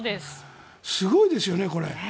すごいですよね、これ。